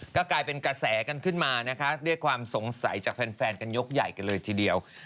ก็กลายเป็นกระแสกันขึ้นมานะคะด้วยความสงสัยจากแฟนกันยกใหญ่กันเลยทีเดียว